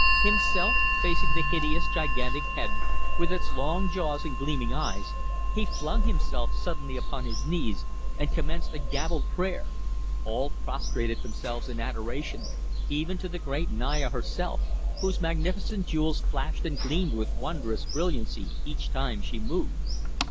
Himself facing the hideous gigantic head with its long jaws and gleaming eyes, he flung himself suddenly upon his knees and commenced a gabbled prayer. All prostrated themselves in adoration, even to the great Naya herself, whose magnificent jewels flashed and gleamed with wondrous brilliancy each time she moved.